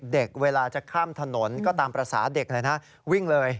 เวลาจะข้ามถนนก็ตามภาษาเด็กเลยนะวิ่งเลย